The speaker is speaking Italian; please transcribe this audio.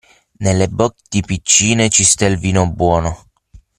Nelle botti piccine ci sta il vino buono.